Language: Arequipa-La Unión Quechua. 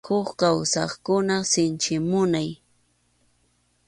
Huk kawsaqkuna sinchi munay.